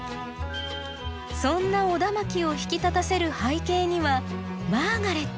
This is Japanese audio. そんなオダマキを引き立たせる背景にはマーガレット。